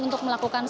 untuk melakukan obat